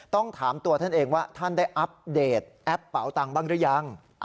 ต้องถามตัวท่านเองว่าท่านได้อัปเดตแอปเป๋าตังค์บ้างหรือยัง